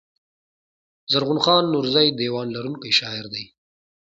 زرغون خان نورزى دېوان لرونکی شاعر دﺉ.